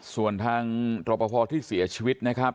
ส่วนทางรอปภที่เสียชีวิตนะครับ